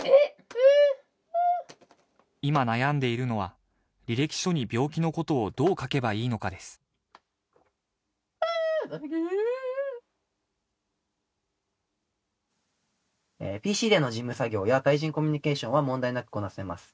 うーん今悩んでいるのは履歴書に病気のことをどう書けばいいのかですうーっううーっ「ＰＣでの事務作業や対人コミュニケーションは問題なくこなせます」